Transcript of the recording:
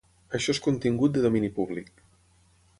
Això és contingut de domini públic.